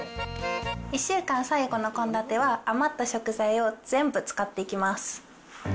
１週間最後の献立は、余った食材を全部使っていきます。